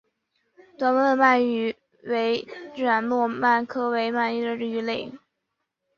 短吻吻鳗为糯鳗科吻鳗属的鱼类。